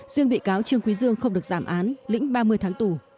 riêng bị cáo trương quý dương không được giảm án lĩnh ba mươi tháng tù